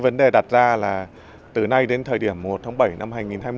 vấn đề đặt ra là từ nay đến thời điểm một tháng bảy năm hai nghìn hai mươi bốn